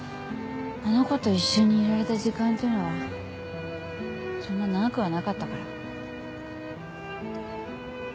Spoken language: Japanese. あの子と一緒にいられた時間っていうのはそんな長くはなかったから。